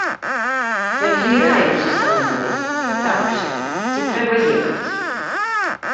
Сяргей раіўся са мной, пытаўся, ці трэба ехаць.